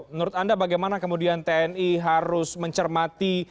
menurut anda bagaimana kemudian tni harus mencermati